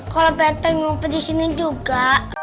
kalo beteng ngumpet disini juga